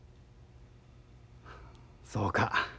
そうか。